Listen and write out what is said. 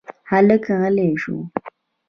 هلک غلی شو.